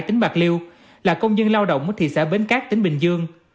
tỉnh bạc liêu là công nhân lao động ở thị xã bến cát tỉnh bình dương